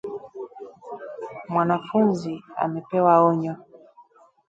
Mwanafunzi amepewa onyo